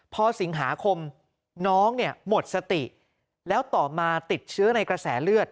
พอสิงหาคมน้องเนี่ยหมดสติแล้วต่อมาติดเชื้อในกระแสเลือด